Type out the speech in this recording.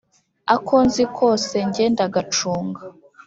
Akonzi kose nge ndagacunga